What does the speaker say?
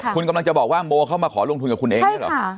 คุณกำลังจะบอกว่าโมเข้ามาขอลงทุนกับคุณเองใช่หรอใช่ค่ะ